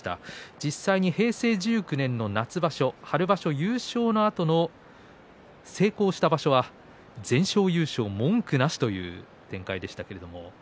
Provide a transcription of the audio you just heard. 実際、平成１９年の夏場所春場所優勝のあとの成功した場所は全勝優勝文句なしという展開でした。